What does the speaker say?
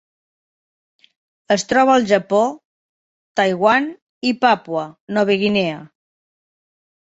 Es troba al Japó, Taiwan i Papua Nova Guinea.